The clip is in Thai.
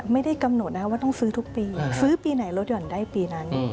ไม่ได้กำหนดว่าต้องซื้อทุกปีซื้อปีไหนลดห่อนได้ปีนั้น